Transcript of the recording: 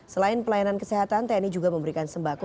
selain pelayanan kesehatan tni juga memberikan sembako